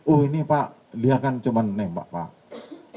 oh ini pak dia kan cuma nembak pak